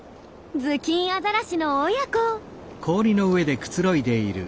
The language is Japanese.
ズキンアザラシの親子。